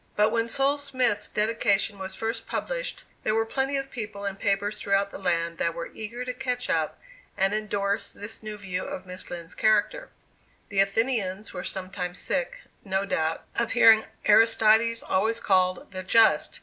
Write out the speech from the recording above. But when Sol. Smith's dedication was first published, there were plenty of people and papers throughout the land that were eager to catch up and indorse this new view of Miss Lind's character. The Athenians were sometimes sick, no doubt, of hearing Aristides always called "the Just."